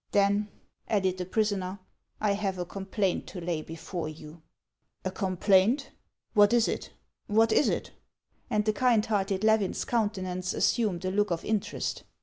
" Then," added the prisoner, " I have a complaint to lay before you." " A complaint '. What is it ? what is it ?" And the kind hearted Levin's countenance assumed a look of interest.